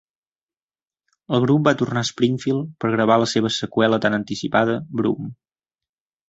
El grup va tornar a Springfield per gravar la seva seqüela tan anticipada "Broom".